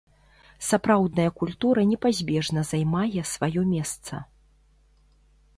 Сапраўдная культура непазбежна займае сваё месца.